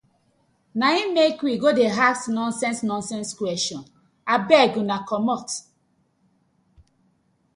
Na im mek we go dey ask nonsense nonsense question, abeg una komot.